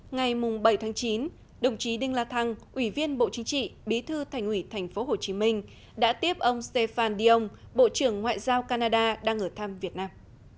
ngày bảy chín đồng chí đinh la thăng ủy viên bộ chính trị bí thư thành ủy tp hcm đã tiếp ông stefan diong bộ trưởng ngoại giao canada đang ở thăm việt nam